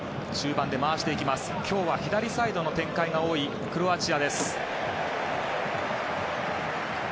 今日は左サイドの展開が多いクロアチア。